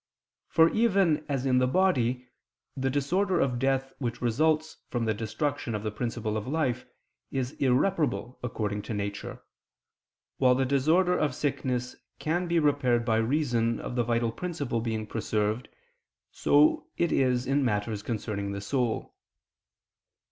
For even as in the body, the disorder of death which results from the destruction of the principle of life, is irreparable according to nature, while the disorder of sickness can be repaired by reason of the vital principle being preserved, so it is in matters concerning the soul.